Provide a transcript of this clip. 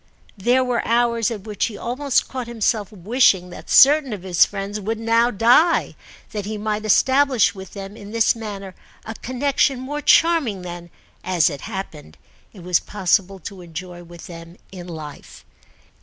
There were hours at which he almost caught himself wishing that certain of his friends would now die, that he might establish with them in this manner a connexion more charming than, as it happened, it was possible to enjoy with them in life.